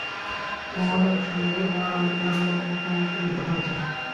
তোমার একলার বা আর-কারো মতামত নিয়ে কথা হচ্ছে না।